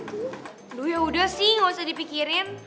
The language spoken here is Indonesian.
aduh yaudah sih gak usah dipikirin